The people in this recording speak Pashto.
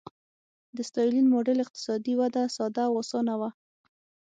د ستالین ماډل اقتصادي وده ساده او اسانه وه.